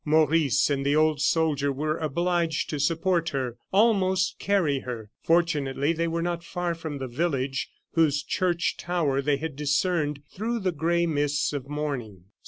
Maurice and the old soldier were obliged to support her, almost carry her. Fortunately they were not far from the village, whose church tower they had discerned through the gray mists of morning.